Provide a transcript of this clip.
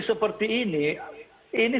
seperti ini ini